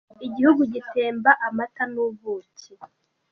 Igihugu gitemba amata n’ubuki.